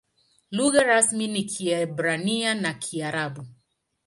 Lugha rasmi ni Kiebrania na Kiarabu.